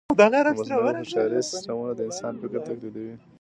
د مصنوعي هوښیارۍ سیسټمونه د انسان فکر تقلیدوي.